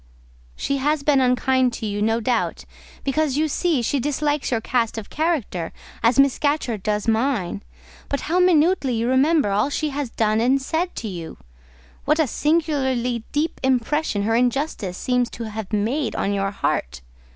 "She has been unkind to you, no doubt; because you see, she dislikes your cast of character, as Miss Scatcherd does mine; but how minutely you remember all she has done and said to you! What a singularly deep impression her injustice seems to have made on your heart!